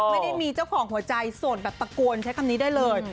ไม่ได้มีเจ้าของหัวใจโสดแบบตะโกนใช้คำนี้ได้เลย